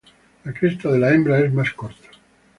La cresta de la hembra es más corta.